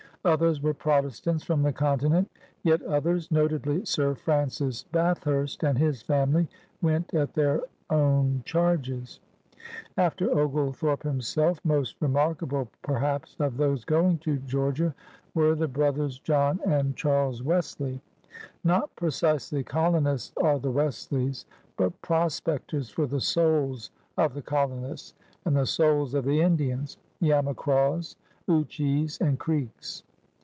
Others were Protestants from the Continent. Yet others — notably Sir Francis Bathurst and his family — went at their own charges. After Ogle thorpe himself, most remarkabk perhaps of those going to Georgia were the brothers John and GEORGIA 248 Charles Wesley. Not precisely colonists are the Wesleys, but prospectors for the souls of the colo nists, and the souls of the Indians — Yamacraws, lichees, and Creeks.